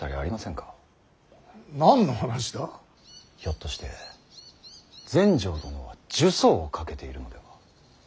ひょっとして全成殿は呪詛をかけているのでは。